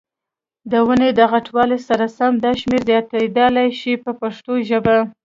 د ونې د غټوالي سره سم دا شمېر زیاتېدلای شي په پښتو ژبه.